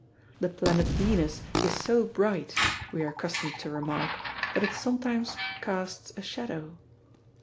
The planet Venus is so bright, we are accustomed to remark, that it sometimes casts a shadow.